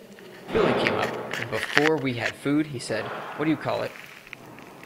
Billy came up, and before we had food he said-What do you call it.